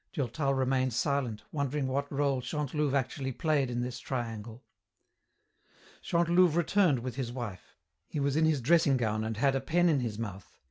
Durtal remained silent, wondering what rôle Chantelouve actually played in this triangle. Chantelouve returned with his wife. He was in his dressing gown and had a pen in his mouth.